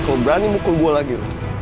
kamu berani mukul gua lagi